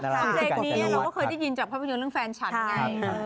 เราก็เคยได้ยินจากความพิวเงินเรื่องแฟนฉัน